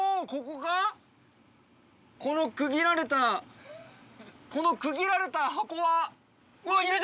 この区切られたこの区切られた箱は。